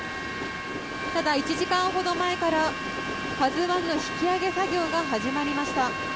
ただ、１時間ほど前から「ＫＡＺＵ１」の引き揚げ作業が始まりました。